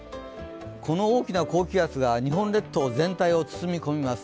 この大きな高気圧が日本列島全体を包み込みます。